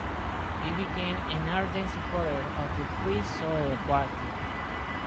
He became an ardent supporter of the Free Soil Party.